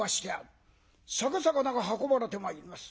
酒肴が運ばれてまいります。